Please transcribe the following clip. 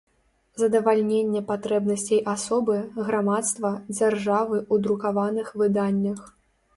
Задавальненне патрэбнасцей асобы, грамадства, дзяржавы ў друкаваных выданнях.